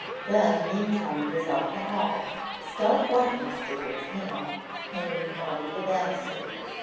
Ben meantime was out in the hall, a stout walking stick in his hand, hanging over the banister.